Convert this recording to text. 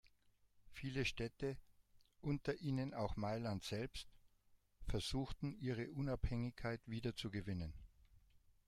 Viele Städte, unter ihnen auch Mailand selbst, versuchten ihre Unabhängigkeit wiederzugewinnen.